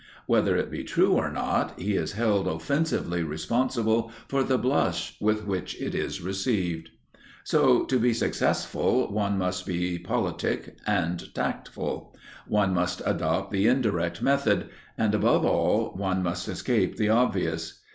Whether it be true or not, he is held offensively responsible for the blush with which it is received. So, to be successful, one must be politic and tactful; one must adopt the indirect method, and, above all, one must escape the obvious.